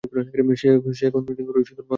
সে এখন ঐ সুদূর মহাকাশে।